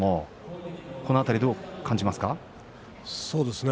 この辺りどう感じますか？